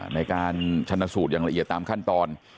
ในการชนะสูตรอย่างละเอียดตามขั้นตอน